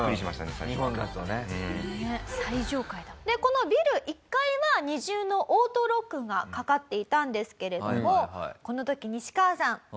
でこのビル１階は二重のオートロックがかかっていたんですけれどもこの時ニシカワさん